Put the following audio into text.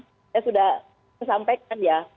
saya sudah sampaikan ya